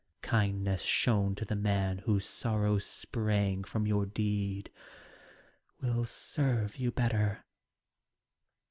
Kindness shown to the man whose sorrow Sprang from your deed, will serve you better.